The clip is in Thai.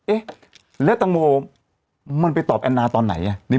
เอ้ยแล้วแตงโมมันไปตอบอันนาตอนไหนเนี่ย